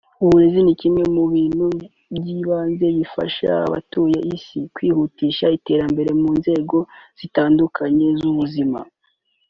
uburezi ni kimwe mu bintu by’ibanze bifasha abatuye isi kwihutisha iterambere mu nzego zitandukanye z’ubuzima